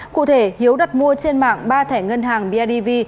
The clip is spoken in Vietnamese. cụ thể hiếu đặt mua trên mạng ba thẻ ngân hàng bidv